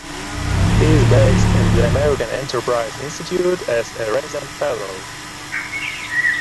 He is based at the American Enterprise Institute as a resident fellow.